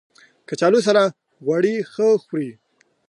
کچالو سره غوړي ښه خوري